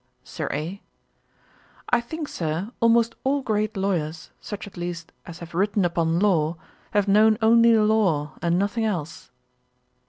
SIR A. 'I think, Sir, almost all great lawyers, such at least as have written upon law, have known only law, and nothing else.'